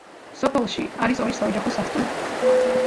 სოფელში არის ორი საოჯახო სასტუმრო.